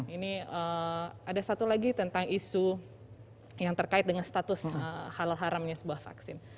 ini ada satu lagi tentang isu yang terkait dengan status halal haramnya sebuah vaksin